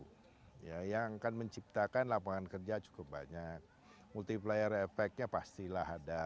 pembicara lima puluh delapan ya yang akan menciptakan lapangan kerja cukup banyak multiplayer efeknya pastilah ada